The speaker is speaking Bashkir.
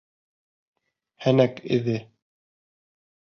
Һәнәк эҙе.